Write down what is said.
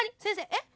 えっ？